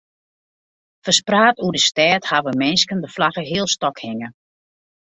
Ferspraat oer de stêd hawwe minsken de flagge healstôk hinge.